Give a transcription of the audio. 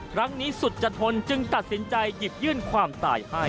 ครั้งนี้สุดจะทนจึงตัดสินใจหยิบยื่นความตายให้